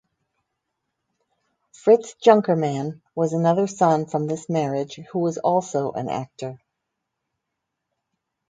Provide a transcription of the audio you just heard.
Fritz Junkermann was another son from this marriage who was also an actor.